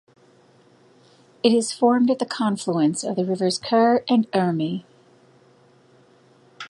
It is formed at the confluence of the rivers Kur and Urmi.